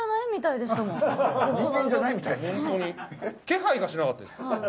気配がしなかったです。